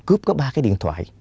cướp có ba cái điện thoại